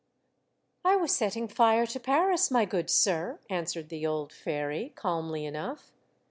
*' I was setting fire to Paris, my good sir," answered the old " fairy," calmly enough.